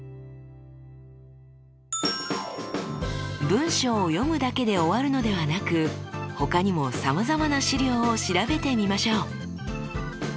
文章を読むだけで終わるのではなく他にもさまざまな資料を調べてみましょう。